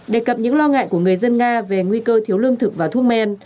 đề cập những lo ngại của người dân nga về nguy cơ thiếu lương thực và thuốc men